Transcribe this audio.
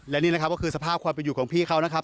และนี่นะครับก็คือสภาพความเป็นอยู่ของพี่เขานะครับ